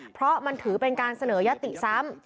เพราะมันถือเป็นการเสนอยติซ้ำ